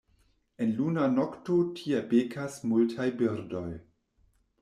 En luna nokto tie bekas multaj birdoj.